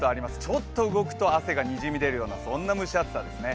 ちょっと動くと汗がにじみ出るような、そんな蒸し暑さですね。